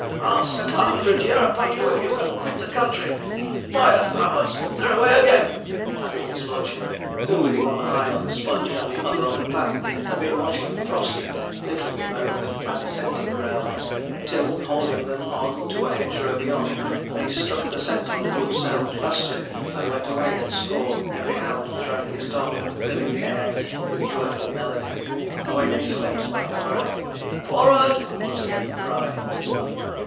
I'll settle a hundred a year upon you if you'll quit the country. By the powers, they're away again!' added his lordship, who, with one eye on Sponge and the other on the pack, had been watching Frosty lifting them over the bad scenting ground, till, holding them on to a hedgerow beyond, they struck the scent on good sound pasture, and went away at score, every hound throwing his tongue, and filling the air with joyful melody. Away they swept like a hurricane. 'F o o rard!' was again the cry.